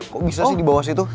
kok bisa sih di bawah situ